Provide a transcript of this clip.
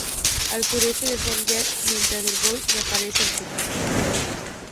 Al sureste de Alder yace Bose, mientras que Boyle aparece al sur-suroeste.